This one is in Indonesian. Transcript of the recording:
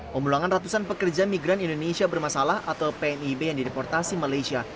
pemulangan ratusan pekerja migran indonesia bermasalah atau pmib yang direportasi malaysia